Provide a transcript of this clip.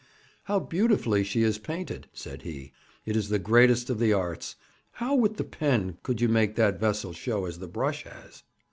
'How beautifully she is painted!' said he. 'It is the greatest of the arts. How with the pen could you make that vessel show as the brush has?'